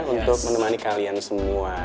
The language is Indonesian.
untuk menemani kalian semua